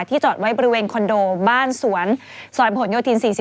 ที่จอดไว้บริเวณคอนโดบ้านสวนสบย๔๘